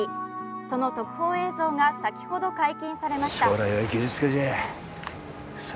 その特報映像が先ほど解禁されました。